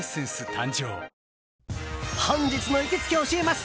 誕生本日の行きつけ教えます！